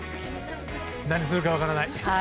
何するか分からない。